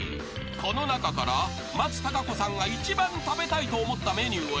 ［この中から松たか子さんが一番食べたいと思ったメニューを選び